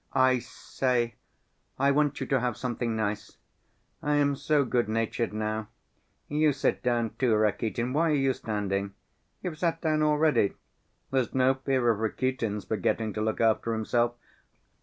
I say, I want you to have something nice. I am so good‐natured now. You sit down, too, Rakitin; why are you standing? You've sat down already? There's no fear of Rakitin's forgetting to look after himself.